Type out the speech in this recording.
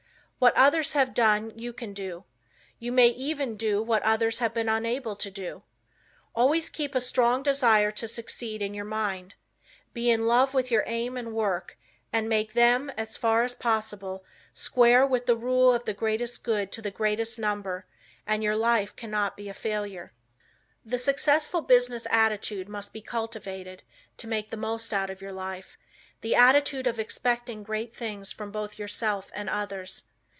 What others have done you can do. You may even do what others have been unable to do. Always keep a strong desire to succeed in your mind. Be in love with your aim and work, and make them, as far as possible, square with the rule of the greatest good to the greatest number and your life cannot be a failure. The successful business attitude must be cultivated to make the most out of your life, the attitude of expecting great things from both yourself and others.